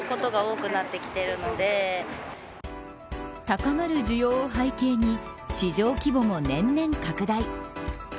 高まる需要を背景に市場規模も年々拡大。